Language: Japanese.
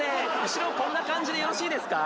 後ろこんな感じでよろしいですか？